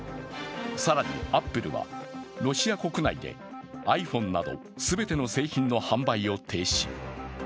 更にアップルは、ロシア国内でｉＰｈｏｎｅなど全ての製品の販売を停止。